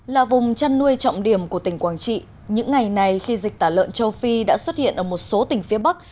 là vùng chăn nuôi trọng điểm của tỉnh quảng trị những ngày này khi dịch tả lợn châu phi đã xuất hiện ở một số tỉnh phía bắc